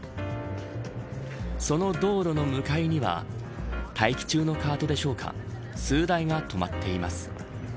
その道路の向かいには待機中のカートでしょうか数台が止まっています。